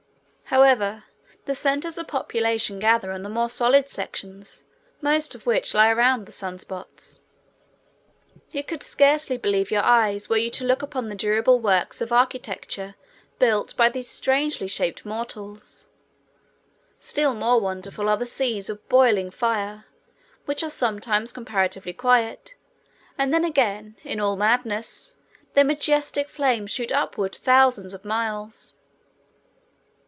However, the centers of population gather on the more solid sections, most of which lie around the sun spots. You could scarcely believe your eyes were you to look upon the durable works of architecture built by these strangely shaped mortals. Still more wonderful are the seas of boiling fire which are sometimes comparatively quiet, and then again, in all madness, their majestic flames shoot upward thousands of miles.